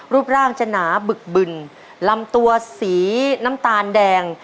รูปร่างจะหนาบึกบึนลำตัวสีน้ำตาลแดง